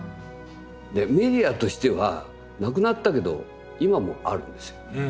メディアとしては亡くなったけど今もあるんですよ。